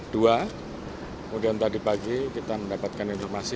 kemudian tadi pagi kita mendapatkan informasi